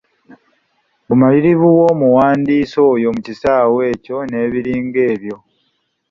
Obumanyirivu bw’omuwandiisi oyo mu kisaawe ekyo n’ebiringa ebyo.